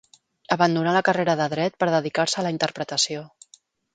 Abandonà la carrera de Dret per dedicar-se a la interpretació.